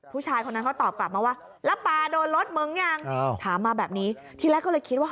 ผู้ชายคนนั้นเขาตอบกลับมาว่าแล้วปลาโดนรถมึงยังถามมาแบบนี้ทีแรกก็เลยคิดว่า